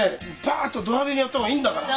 パッとど派手にやった方がいいんだから。